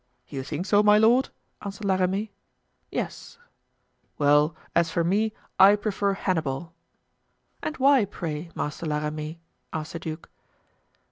"You think so, my lord?" answered La Ramee. "Yes." "Well, as for me, I prefer Hannibal." "And why, pray, Master La Ramee?" asked the duke.